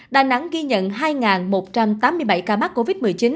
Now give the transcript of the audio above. đà nẵng ghi nhận hai một trăm tám mươi bảy ca mắc covid một mươi chín